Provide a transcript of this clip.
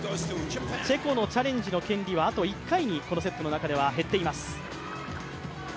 チェコのチャレンジの権利は、このセットの中ではあと１回に減っています。